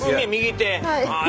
はい。